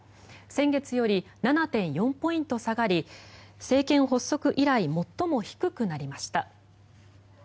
先月より７．４ポイント下がり政権発足以来最も低くなりました。